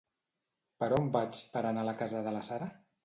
Per on vaig per a anar a casa de la Sara?